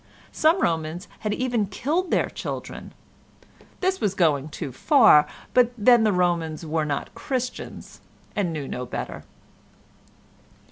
Some Romans had even killed their children; this was going too far, but then the Romans were not Christians, and knew no better.